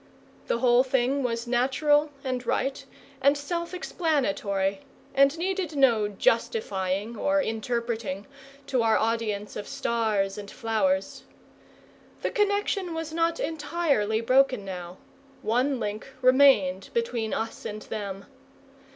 The whole thing was natural and right and self explanatory, and needed no justifying or interpreting to our audience of stars and flowers. The connexion was not entirely broken now one link remained between us and them.